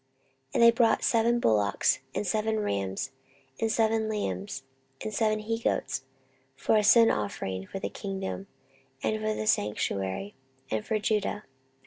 14:029:021 And they brought seven bullocks, and seven rams, and seven lambs, and seven he goats, for a sin offering for the kingdom, and for the sanctuary, and for Judah.